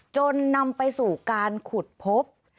จนนำไปสู่การขุดพบ